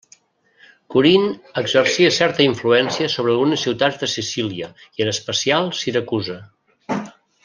Corint exercia certa influència sobre algunes ciutats de Sicília i en especial Siracusa.